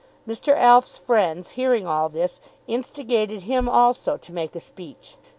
Mr. Alf's friends, hearing all this, instigated him also to make a speech.